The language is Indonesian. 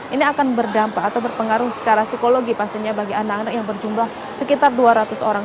ini akan berdampak atau berpengaruh secara psikologi pastinya bagi anak anak yang berjumlah sekitar dua ratus orang